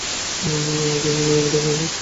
ওহ, কি সুন্দর একটা কুকুর!